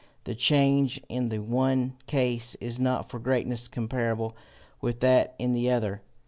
The change in the one case is not for greatness comparable with that in the other.